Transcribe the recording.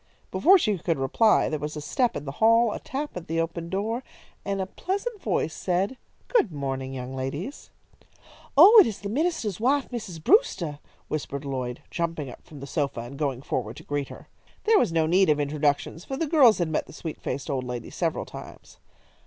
Before she could reply there was a step in the hall, a tap at the open door, and a pleasant voice said: "Good morning, young ladies." "Oh, it is the minister's wife, Mrs. Brewster," whispered Lloyd, jumping up from the sofa and going forward to greet her. There was no need of introductions, for the girls had met the sweet faced old lady several times.